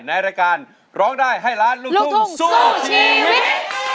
ในรายการร้องได้ให้ล้านลูกทุ่งสู้ชีวิต